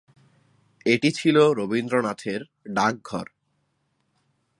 এটি ছিল রবীন্দ্রনাথের ‘ডাকঘর’।